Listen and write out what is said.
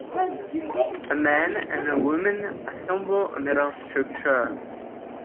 A man and woman assemble a metal structure.